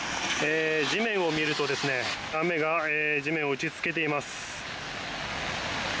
地面を見ると雨が地面を打ちつけています。